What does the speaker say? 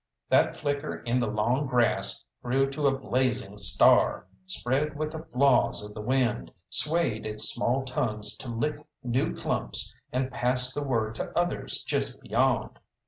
That flicker in the long grass grew to a blazing star, spread with the flaws of the wind, swayed its small tongues to lick new clumps and pass the word to others just beyond.